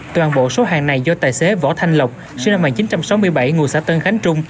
toàn bộ số hàng này do tài xế võ thanh lộc sinh năm một nghìn chín trăm sáu mươi bảy ngụ xã tân khánh trung